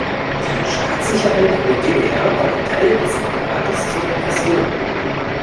Die Staatssicherheit in der D-D-R war ein Teil des Apparats zur Repression.